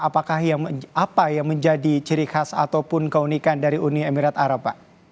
apakah apa yang menjadi ciri khas ataupun keunikan dari uni emirat arab pak